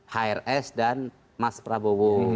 hrs dan mas prabowo